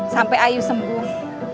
sampai ayu sembuh